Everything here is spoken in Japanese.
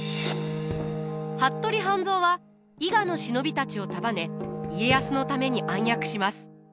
服部半蔵は伊賀の忍びたちを束ね家康のために暗躍します。